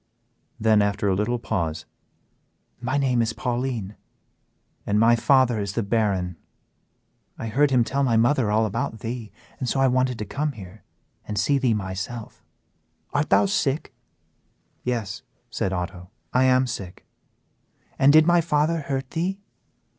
Then, after a little pause "My name is Pauline, and my father is the Baron. I heard him tell my mother all about thee, and so I wanted to come here and see thee myself: Art thou sick?" "Yes," said Otto, "I am sick." "And did my father hurt thee?"